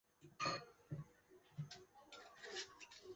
腺毛疏花穿心莲为爵床科穿心莲属下的一个变种。